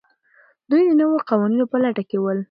دوی د نویو قوانینو په لټه کې ول.